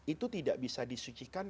itu tidak bisa disucikan